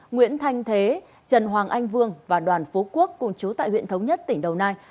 nguyễn thanh thế trần hoàng anh vương và đoàn phú quốc cùng chú tại huyện thống nhất tỉnh đồng nai